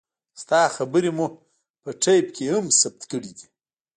ستا خبرې مو په ټېپ هم کښې ثبت کړې دي.